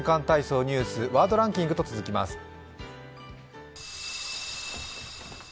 体操」、ニュース、ワードランキングと続きます。